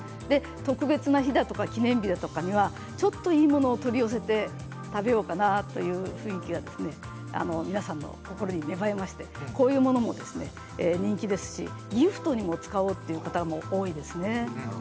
特別な日だとか記念日だとかにはちょっといいものを取り寄せて食べようかなという雰囲気が皆さんの心に芽生えましてこういうものも人気ですし、ギフトにも使おうという方、多いですね。